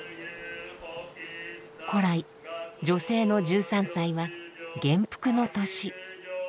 古来女性の１３歳は元服の年。